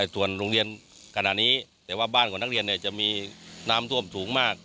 ส่วนโรงเรียนขณะนี้แต่ว่าบ้านของนักเรียนจะมีน้ำท่วมสูงมาก